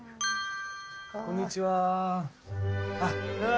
こんにちは。